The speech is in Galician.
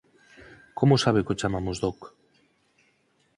como sabe que o chamamos Doc?